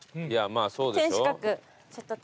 いやまあそうでしょ。